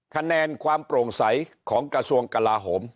คะแนนความโปร่งใสของกระทรวงกลาโหม